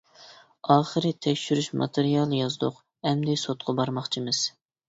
-ئاخىرى تەكشۈرۈش ماتېرىيالى يازدۇق، ئەمدى سوتقا بارماقچىمىز.